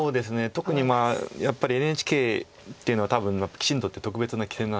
特にやっぱりＮＨＫっていうのは多分棋士にとって特別な棋戦なんで。